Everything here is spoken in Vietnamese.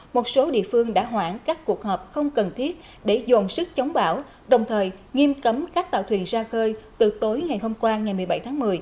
một số địa phương đã hoãn các cuộc họp không cần thiết để dồn sức chống bão đồng thời nghiêm cấm các tàu thuyền ra khơi từ tối ngày hôm qua ngày một mươi bảy tháng một mươi